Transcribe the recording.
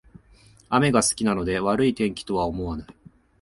雨が好きなので悪い天気とは思わない